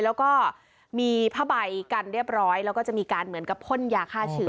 แล้วก็มีผ้าใบกันเรียบร้อยแล้วก็จะมีการเหมือนกับพ่นยาฆ่าเชื้อ